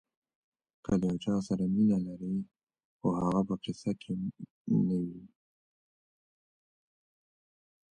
که د یو چا سره مینه لرئ خو هغه په قصه کې نه وي.